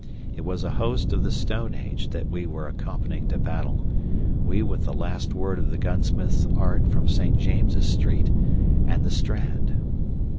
It was a host of the stone age that we were accompanying to battle we with the last word of the gunsmith's art from St. James' Street and the Strand.